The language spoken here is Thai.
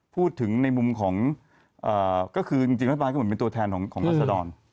พูดถึงในมุมของก็คือจริงมั้ยบราณเขาก็เป็นตัวแทนของทัศน